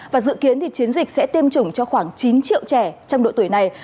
và dự kiến chiến dịch sẽ tiêm chủng cho khoảng chín triệu trẻ trong độ tuổi này